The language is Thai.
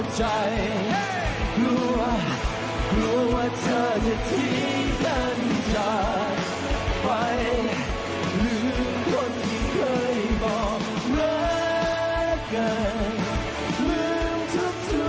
ใช่ค่ะ